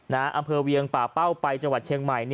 อำเภอเวียงป่าเป้าไปจังหวัดเชียงใหม่